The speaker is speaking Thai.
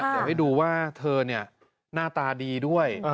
เดี๋ยวให้ดูว่าเธอหน้าตาดีด้วย